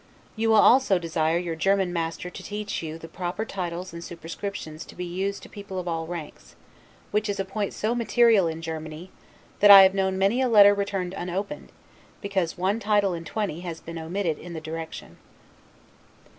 You will also desire your German master to teach you the proper titles and superscriptions to be used to people of all ranks; which is a point so material, in Germany, that I have known many a letter returned unopened, because one title in twenty has been omitted in the direction.